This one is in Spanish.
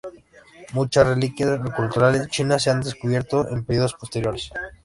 Muchas reliquias culturales chinas se han descubierto en períodos posteriores.